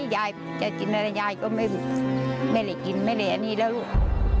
ยายจะกินอะไรยายก็ไม่ได้กินไม่ได้อันนี้แล้วลูก